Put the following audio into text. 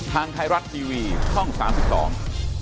ทางไทยรัฐทีวีช่องสามสิบสอง